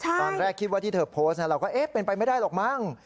ตอนแรกคิดว่าที่เธอโพสต์เราก็เอ๊ะเป็นไปไม่ได้หรอกมั้ง